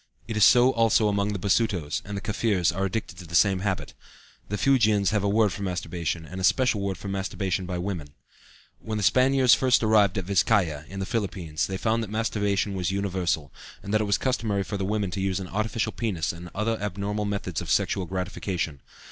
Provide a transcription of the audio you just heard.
It is so also among the Basutos, and the Kaffirs are addicted to the same habit. The Fuegians have a word for masturbation, and a special word for masturbation by women. When the Spaniards first arrived at Vizcaya, in the Philippines, they found that masturbation was universal, and that it was customary for the women to use an artificial penis and other abnormal methods of sexual gratification.